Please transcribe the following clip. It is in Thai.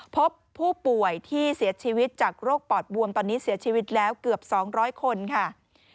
พบผู้ป่วยที่เสียชีวิตจากโรคปอดบวมตอนนี้เสียชีวิตแล้วเกือบ๒๐๐คนค่ะ